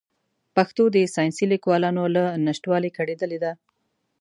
پښتو د ساینسي لیکوالانو له نشتوالي کړېدلې ده.